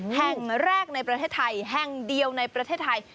แห่งแรกในประเทศไทยแห่งเดียวในประเทศไทย